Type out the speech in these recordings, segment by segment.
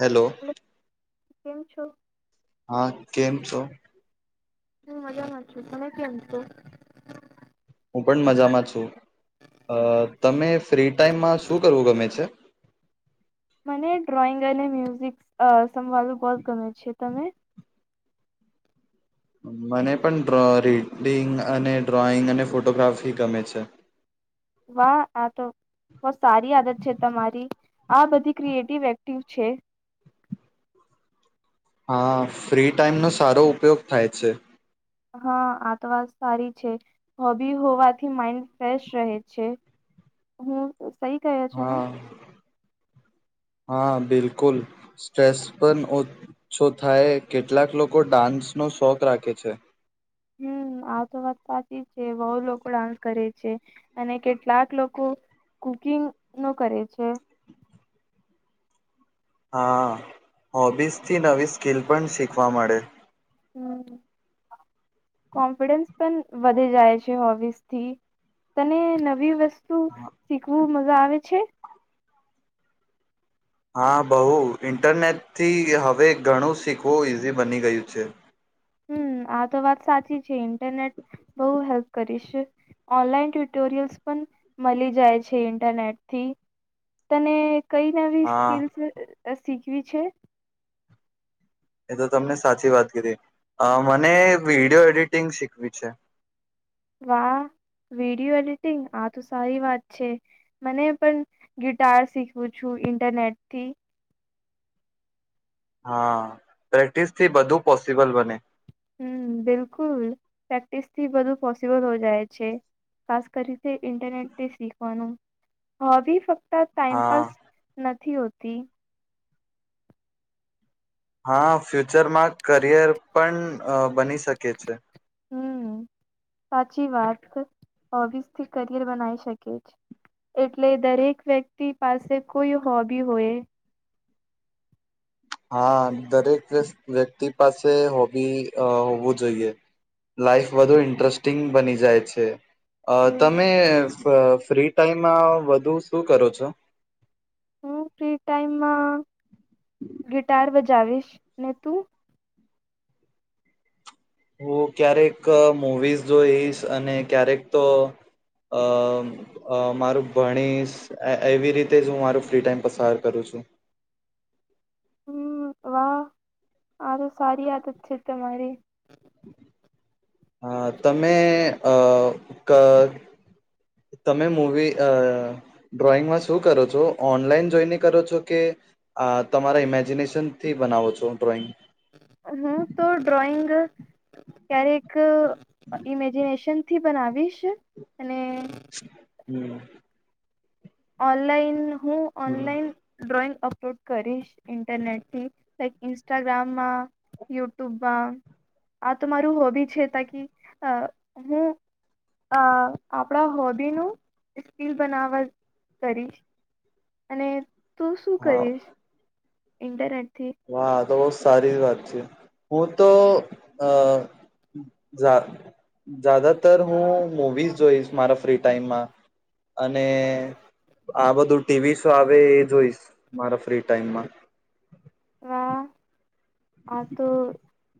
Hello. Hello કેમ છો? હા, કેમ છો? હું મજામાં છું, તમે કેમ છો? હું પણ મજામાં છું, તમને ફ્રી ટાઈમમાં શું કરવું ગમે છે? મને ડ્રોઈંગ અને મ્યુઝિક. સાંભળવાનું બહુ ગમે છે. તમે. મને પણ રીડિંગ અને ડ્રોઈંગ અને ફોટોગ્રાફી ગમે છે. વાહ, આ તો. સારી આદત છે તમારી. આ બધી ક્રિએટિવ એક્ટિવ છે. હા, ફ્રી ટાઈમનો સારો ઉપયોગ થાય છે. હા આ તો વાત સારી છે, હોબી હોવાથી માઈન્ડ ફ્રેશ રહે છે. હું થઈ ગયા છે હા ને? હા, બિલકુલ સ્ટ્રેસ પણ ઓછો થાય. કેટલાક લોકો ડાન્સનો શોખ રાખે છે. હમ, આ તો વાત સાચી છે. બહુ લોકો ડાન્સ કરે છે અને કેટલાક લોકો કુકિંગ નુ કરે છે. હા, હોબીસ થી નવી સ્કીલ. પણ શીખવા મળે. હમ. કોન્ફિડેન્સ. પણ વધે જાય છે, હોબીસથી તને નવી વસ્તુ. શું શીખવું. આવે છે. હા બહુ ઈન્ટરનેટથી હવે ઘણું શીખવું ઈઝી બની ગ્યું છે. હમ, આ તો વાત સાચી છે. ઇન્ટરનેટ બહુ હેલ્પ કરી છે, ઓનલાઈન ટ્યુટોરિયલ્સ પણ મળી જાય છે. ઇન્ટરનેટથી તને કઈ નવી હા સ્કિલસ શીખવી છે એ તો તમને સાચી વાત કરી મને વિડીયો એડિટિંગ શીખવી છે વાહ વિડિયો એડિટિંગ આ તો સારી વાત છે મને પણ ગિટાર શીખવું છું ઇન્ટરનેટથી હા પ્રેક્ટિસ થી બધું પોસિબલ બને હમ બિલકુલ પ્રેક્ટિસ થી બધું પોસિબલ હો જાય છે ખાસ કરી ઇન્ટરનેટથી શીખવાનું હોબી હા ટાઈમપાસ નથી હોતો હતી હા ફ્યુચરમાં કરિયર પણ અ બની શકે છે હમ સાચી વાત હોબિસથી કરિયર બનાવી શકે છે એટલે દરેક વ્યક્તિ પાસે કોઈ હોબી હોય હા દરેક વ્યક્તિ પાસે હોબી હોવું જોઈએ લાઈફ વધુ ઇન્ટરેસ્ટિંગ બની જાય છે અ હમ તમે ફ્રી ટાઈમમાં વધુ શું કરો છો હુ ફ્રી ટાઈમ માં ગિટાર બ જાવીશ ને તું હું ક્યારેક મુવીઝ જોઈશ અને ક્યારેક તો અ મારું ભણીશ એવી રીતે જ હું મારું ફ્રી ટાઈમ પસાર કરું છું હ [inaudible] હમ વાહ હા તો સારી આદત છે તમારી અ તમે અ તમે મુવી અ ડ્રોઈંગમાં શું કરો છો ઓનલાઈન જોઈને કરો છો કે તમારા ઇમેજિનેશનથી બનાવો છો ડ્રોઈંગ હું તો ડ્રોઈંગ ક્યારેક ઇમેજિનેશનથી બનાવીશ અને હમ ઓનલાઈન હું હમ ઓનલાઈન ડ્રોઈંગ અપલોડ કરીશ ઇન્ટરનેટથી લઇક ઇન્સ્ટાગ્રામમાં યુટ્યુબમાં આ તો મારું હોબી છે તકી હું આપણા હોબીનું સ્કીલ બનાવવા કરી અને તો શું કરીશ એન્ટર હા તો બહ સારી વાત છે હું તો અ જદાતર હું મુવીઝ જોઈશ મારા ફ્રી ટાઈમમાં અને આ બધું ટીવી શો આવે એ જોઈશ મારા ફ્રી ટાઈમમાં હ તો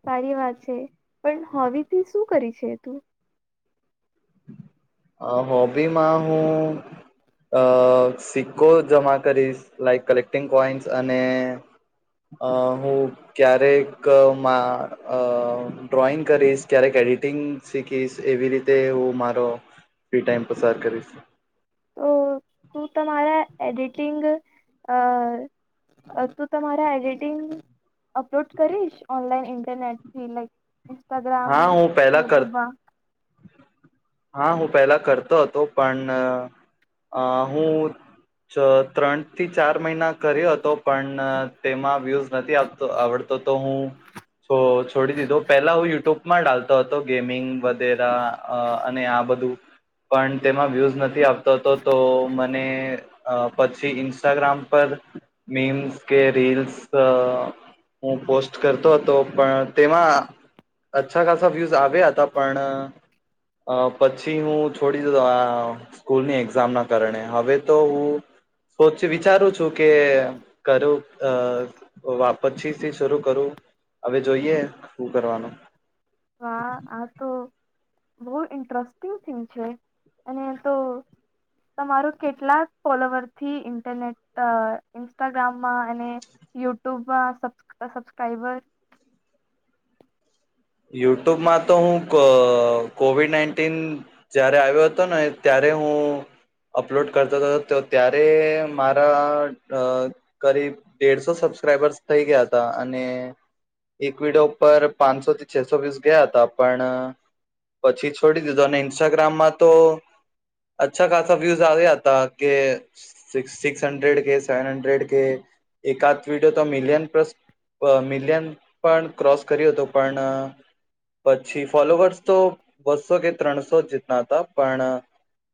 સારી વાત છે પણ હથી શું કરી છે તું હોબીમાં હું સિક્કો જમા કરીશ લાઈક કલેક્ટિંગ કોઈન્સ અને હું ક્યારેકમાં ડ્રોઈંગ કરીશ ક્યારેક એડિટિંગ શીખીશ એવી રીતે હું મારો ફ્રી ટાઈમ પસાર કરીશ તો તું તમારા એડિટિંગ અ તું તમારા એડિટિંગ અપલોડ કરીશ ઓનલાઈન ઇન્ટરનેટથી લઈક ઇન્સ્ટાગ્રામ હા હું પહેલા કર યુટ્યુબમાં હા હું પહેલા કરતો હતો પણ હું ત્રણ થી ચાર મહિના કર્યો હતો પણ તેમાં વ્યુઝ નથી આવતો આવડતો તો હું તો છોડી દીધો પહેલા હું યુટ્યુબ માં ડાલતો હતો ગેમિંગ વગે આ બધું પણ તેમાં વ્યુઝ નથી આવત તો મ અને પછી ઇન્સ્ટાગ્રામ પર મીમ્સ કે રીલ્સ હું પોસ્ટ કરતો હતો પણ તેમાં અ્છા ખાસા વ્યુઝ આવ્યા હતા પણ અ પછી હું છોડી દતો આ સ્કૂલની એક્ઝામ ના કારણે હવે તો હું વિચારું છું કે કરું પછી થી શરૂ કરું હવે જોઈએ શું કરવાનું વા આ તો [unintelligible] બહુ ઇન્ટરેસ્ટિંગ થીમ છે અને તો તમારો કેટલાક ફોલોવર થી ઇન્ટરનેટ ઇન્સ્ટાગ્રામમાં અને યુટ્યુબમાં સબસ્ક્રાઈબર યુટ્યુબમાં તો હું કોવિડ નાઇન્ટીન જય્યારે આવ્યો હતો ને ત્યારે હું અપલોડ કરતો હતો ત્યારે મારા કરીરીબ દેડસો સબસ્ક્રાઈબર્સ થઈ ગયા હતા અને એક વિડિયો ઉપર પાંચસોથી છસો વ્યૂઝ ગયા હતા પણ પછી છોડી દીધો અને ઇન્સ્ટાગ્રામમાં તો અછા ખાસા વ્યૂઝ આવ્યા હતા કે સિક્સ હન્ડ્રેડ કે સેવન હંડ્રેડ કે એકાદ વિડીિયો તો મિલિયન પ્લસ મિલિયન પણ ક્રોસ કર્યો હતોું પણ પછી ફોલોવર્સ તો બસો કે ત્રણસો જ જીતના હતા પણ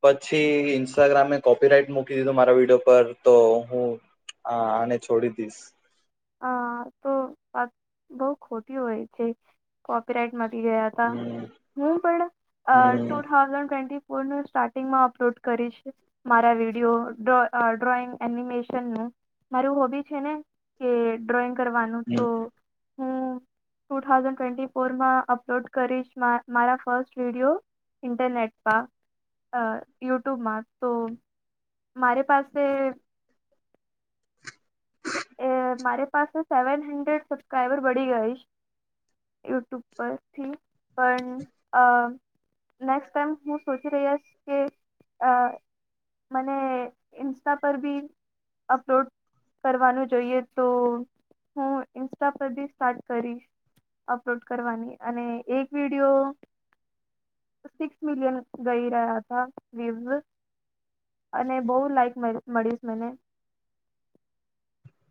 પછી ઇન્સ્ટાગ્રામે કોપી રાઈટ મૂકી દીધું મારા વિડીિયો પર તો હું આને છોડી દીશ હ તો વાત બહ ખોટી હોય છે કોપીરાઈટ ગયા હમ હું પણ ટુ હમ થાઉઝડ હું સ્ટાર્ટિંગમાં અપલોડ કરીશ મારા વિડીિયો ડ્રોઈંગ એનિમેશનનુંું મારું હોબી છે ને ડ્રોઈંગ કરવાનું તો હું ટુ થાઉઝન્ડ ટ્વેન્ટી ફોરમાં અપલોડ કરીશ મારા ફર્સ્ટ વિડીિયો ઇન્ટરનેટ પર યુટ્યુબમાં તો મારે પાસે એ મારે પાસે સેવન હંડ્રેડ સબસ્ક્રાઈબર વળી ગઈશ યુટ્યુબ પરથી પણ નેક્સ્ટ ટાઈમ હું સોચી રહ્યાશ કે મને ઇન્સ્ટા પર બી અપલોડ કરવાનું જોઈએ તો હું ઇન્સ્ટા પર બી સ્ટાર્ટ કરીશ અપલોડ કરવાની અને એક વિડીિયો સિક્સ મિલિયન ગઈ રહ્યા હતા અને બહ લાઈક મળીશ મને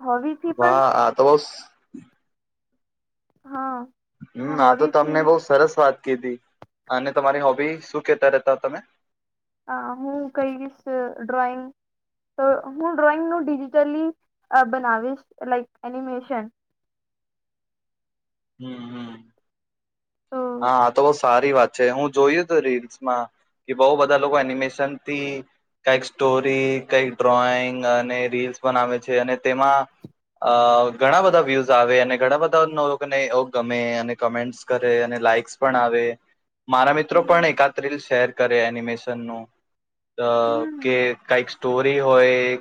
હોબીથી પણ હા હા તો બહ હા હમ આ તો હોબીથી તમને બહ સરસ વાત કીધી અને તમારી હોબી શું કેતા રતા હો તમે અ હું કઈશ ડ્રોઈંગ તો હું ડ્રોઈંગનું ડિજિટલી બનાવીશ લાાઈક એનિમેશન હમ હમ તો હા તો બસ સારી વાત છે હું જોયું તું રીલ્સમાં કે બહુ બધા લોકો એનિમેશનથી કઈક સ્ટોરી કઈક ડ્રોઈંગ અને રીલ્સ બનાવે છે અને તેમાં ઘણા બધા વ્યુઝ આવે અને ઘણા બધા ને ગમે અને કમેન્ટસ કરે અને લાઈક્સ પણ આવે મારા મિત્રો પણ હમ એકાદ રિલ શેર કર એનિમેશન ન અ હમ કે કઈક સ્ટોરી હોય લ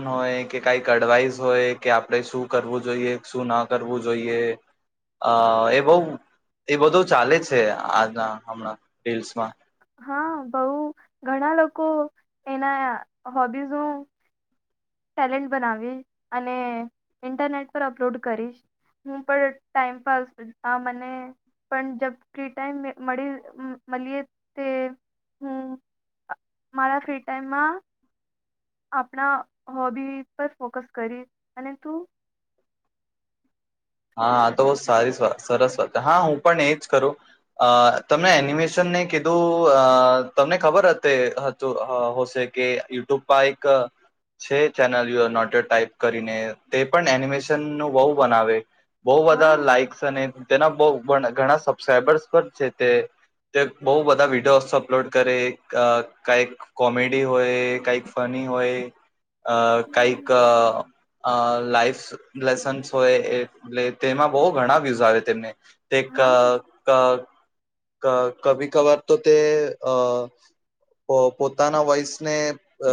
લ હોય કે ક એડવાઈસ હોય કે આપડે શું કરવું જોઈ શું ના કરવું જોઈએ અ એ બહ એ બધું ચાલે છે આજના હમણાં રીસમાં હા બઉ ઘણા લોકો એના હોબ્બીસોઉં ટેલેન્ટ બનાવી અને ઇન્ટરનેટ પર અપલોડ કરીશ હું પણ ટાઈમપાસ આ મને પણ જબ ફ્રી ટાઈમ [unintelligible] મળી મળીએ તે હું મારા ફ્રી ટાઈમમાં આપણા હોબી પર ફોકસ કરી અને તું હા તો સારીસ વાત સરસ વાત હા હું પણ એજ કરું અ તમને એનિમેશનને કીધું અ તમને ખબર હતે હતું અ હશે કે યુટ્યુબ પર એક છે ચેનલ નોટર ટાઈપ કરીને તે પણ એનિમેશન ન બહુ બનાવે બોઉ હા બધા લાઈકસ અને બહ પણ ઘણા સબસ્ક્રાઈબર્સ પણ છે તે તે બહુ બધા વિડીયોસ અપલોડ કરે અ કઈક અ કોમેડી હોય કાંઈક ફની હોય અ હમ, કઈક અ લાાઈફ લેસન્સ હોય એ તેમાં બહ ઘણા વિસાવે વ તેમને ક હા ક કભી કભર તો તે અ પ પોતાના વોઈસને અ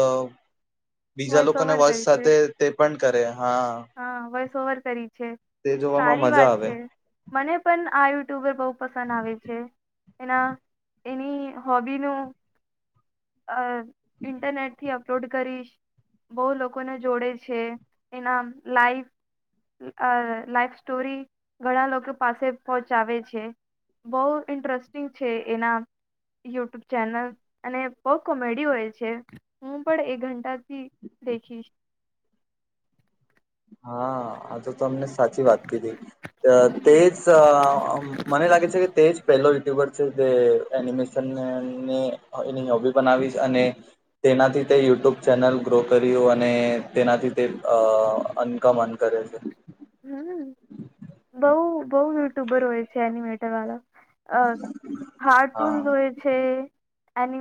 અ બીજા વોઇસ લોકોને ઓવર વશ કરી છે સાથે તે પણ કરે હા હા વોઇસ ઓવર કરી છે તે જોવામાં સારી મજા વાત આવે છે મને પણ આ યુટ્યુબર બહુ પસંદ આવે છે એના એની હોબીનું અ ઇન્ટરનેટથી અપલોડ કરીશ બહુ લોકોને જોડે છે એના લાઈફ અ લાઈફ સ્ટોરી ઘણા લોકો પાસે પહોંચાવે છે બહુ ઇન્ટરેસ્ટિંગ છે એના યુટ્યુબ ચેનલ અને બહુ કોમેડી હોય છે હું પણ એ ઘંટા દેખીશ હા આ તો મને સાચી વાત કીધી તેજ મને લાગે છે કે તેજ પહેલો ટ્યુબર છે તે એનિમેશન એની હોબી બનાવી અને તેનાથી તે યુટ્યુબ ચેનલ ગ્રો કર્યું અને તેનાથી તે અનકમન કરે છે હમ બહુ બહુ યુટ્યુબર હોય છે એનિમેટર વાળ અ હાર્ટૂન હા જોય છે અમ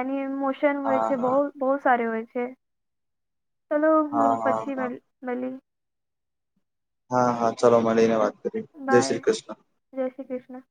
અની મો [unintelligible] ન હોય હા છે બહુ હા બહુ સારે હોય છે છે ચલો હા હું હા પછી હા મલ મલી હા ચલો મળીને વાત કરી જય બાય શ્રી કૃષ્ણ જય શ્રી કૃષ્ણ